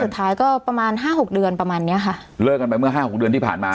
สุดท้ายก็ประมาณห้าหกเดือนประมาณเนี้ยค่ะเลิกกันไปเมื่อห้าหกเดือนที่ผ่านมา